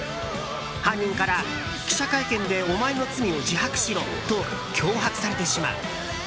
犯人から記者会見でお前の罪を自白しろと脅迫されてしまう。